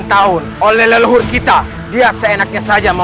dan berlebihan menurut tuhan